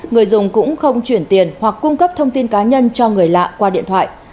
người dùng cũng không chuyển tiền hoặc cung cấp thông tin cá nhân cho người lạ qua điện thoại